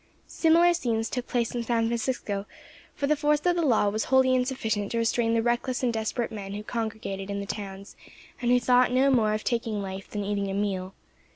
Similar scenes took place in San Francisco, for the force of the law was wholly insufficient to restrain the reckless and desperate men who congregated in the towns, and who thought no more of taking life than eating a meal.